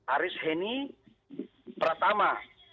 aris heni pertama